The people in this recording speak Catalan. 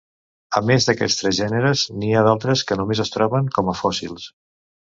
A més d'aquests tres gèneres, n'hi ha d'altres que només es troben com a fòssils.